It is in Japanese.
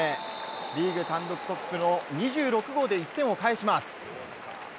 リーグ単独トップの２６号で１点を返します。